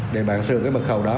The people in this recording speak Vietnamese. để bạn sửa cái mật khẩu đó